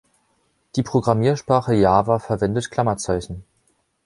Die Programmiersprache Java verwendet Klammerzeichen.